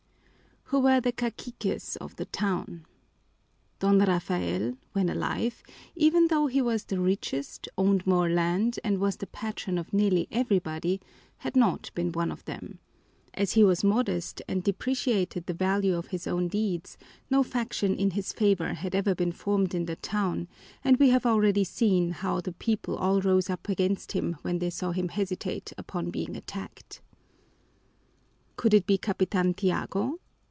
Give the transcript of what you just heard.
_) Who were the caciques of the town? Don Rafael, when alive, even though he was the richest, owned more land, and was the patron of nearly everybody, had not been one of them. As he was modest and depreciated the value of his own deeds, no faction in his favor had ever been formed in the town, and we have already seen how the people all rose up against him when they saw him hesitate upon being attacked. Could it be Capitan Tiago?